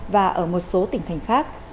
và ở một số tỉnh thành khác